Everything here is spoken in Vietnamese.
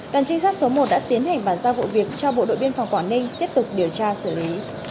đoàn trinh sát số một đã tiến hành bàn giao vụ việc cho bộ đội biên phòng quảng ninh tiếp tục điều tra xử lý